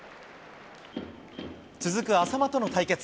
続く淺間との対決。